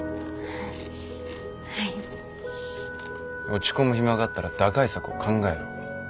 落ち込む暇があったら打開策を考えろ。